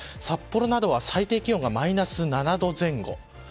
札幌などは最低気温がマイナス７度前後。